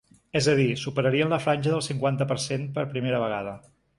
És a dir, superarien la franja del cinquanta per cent per primera vegada.